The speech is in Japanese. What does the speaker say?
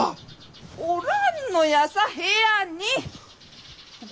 おらんのやさ部屋に！